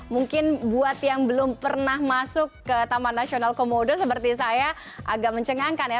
mungkin buat yang belum pernah masuk ke taman nasional komodo seperti saya agak mencengangkan ya